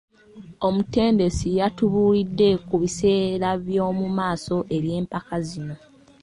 Omutendesi yatubuulidde ku biseera by'omu maaso eby'empaka zino.